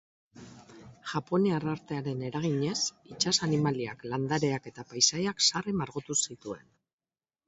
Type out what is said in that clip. Japoniar artearen eraginez itsas-animaliak, landareak eta paisaiak sarri margotu zituen.